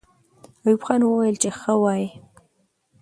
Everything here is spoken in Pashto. ایوب خان وویل چې ښه وایئ.